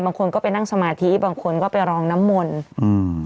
บางคนก็ไปนั่งสมาธิบางคนก็ไปรองน้ำมนต์อืม